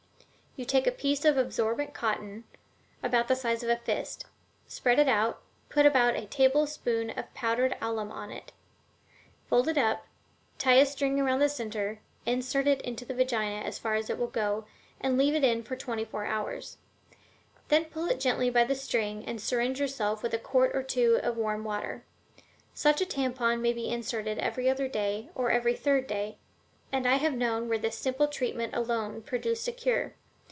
You take a piece of absorbent cotton, about the size of a fist, spread it out, put about a tablespoonful of powdered alum on it, fold it up, tie a string around the center, insert it in the vagina as far as it will go, and leave it in twenty four hours. Then pull it gently by the string and syringe yourself with a quart or two of warm water. Such a tampon may be inserted every other day or every third day, and I have known where this simple treatment alone produced a cure.